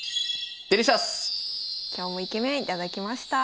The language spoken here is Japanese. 今日もイケメン頂きました。